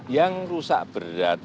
yang rusak berat